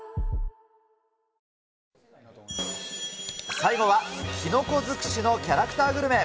最後はキノコ尽くしのキャラクターグルメ。